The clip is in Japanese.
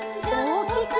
おおきく！